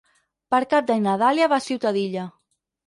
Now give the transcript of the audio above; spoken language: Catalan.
Per Cap d'Any na Dàlia va a Ciutadilla.